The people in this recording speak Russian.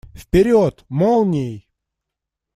Вперед! Молнией!